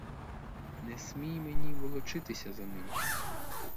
Не смій мені волочитися за ним!